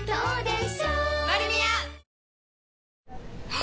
あ！